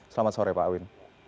selamat sore pak win